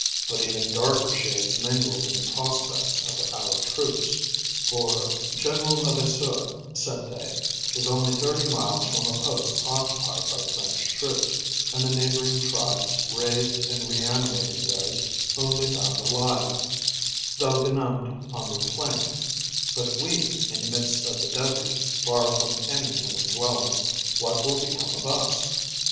But even darker shades mingled in the prospects of our troops; for 'General Levasseur,' said they, 'was only thirty miles from a post occupied by French troops, and the neighbouring tribes raised and reanimated those whom they found alive, though benumbed on the plain; but we, in the midst of the desert, far from any human dwelling, what will become of us?